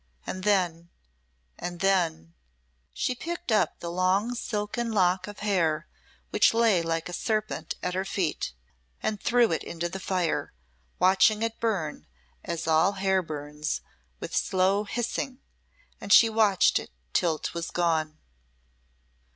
And then and then " She picked up the long silken lock of hair which lay like a serpent at her feet, and threw it into the fire, watching it burn, as all hair burns, with slow hissing, and she watched it till 'twas gone.